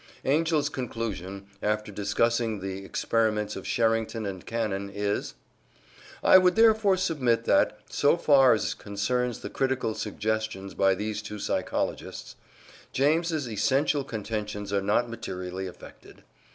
Angell's conclusion, after discussing the experiments of Sherrington and Cannon, is: "I would therefore submit that, so far as concerns the critical suggestions by these two psychologists, James's essential contentions are not materially affected."